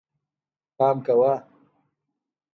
پام کوه